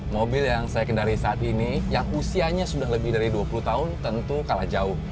mobil yang saya kendari saat ini yang usianya sudah lebih dari dua puluh tahun tentu kalah jauh